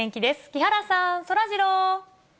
木原さん、そらジロー。